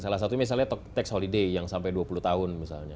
salah satunya tax holiday yang sampai dua puluh tahun misalnya